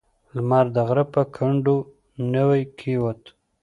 لمر د غره په کنډو نوی کېوت.